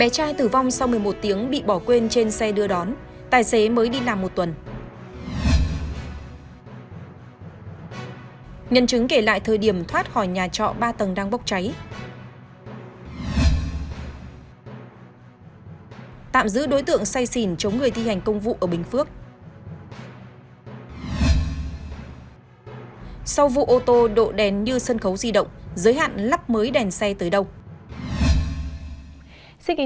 các bạn hãy đăng kí cho kênh lalaschool để không bỏ lỡ những video hấp dẫn